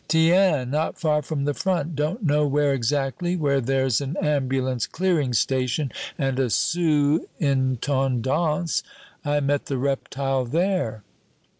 "Tiens! not far from the front, don't know where exactly, where there's an ambulance clearing station and a sous intendance I met the reptile there."